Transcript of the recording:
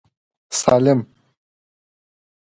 سالم.